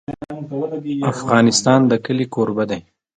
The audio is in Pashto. افغانستان د کلي کوربه دی.